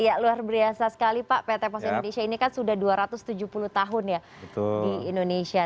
iya luar biasa sekali pak pt pos indonesia ini kan sudah dua ratus tujuh puluh tahun ya di indonesia